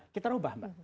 kita ubah mbak